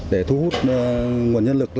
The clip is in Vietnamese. để thu hút nguồn lực